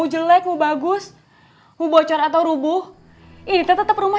mau jelek mau bagus mau bocor atau rubuh ini tersinggung